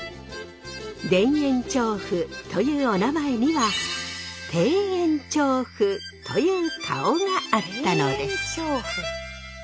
田園調布というおなまえにはという顔があったのです。